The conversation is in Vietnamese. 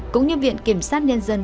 cũng như viện kiểm soát nhân dân